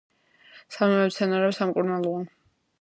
სამივე მცენარე სამკურნალოა.